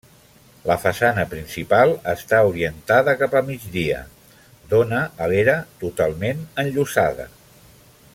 La façana principal està orientada cap a migdia, dóna a l'era, totalment enllosada.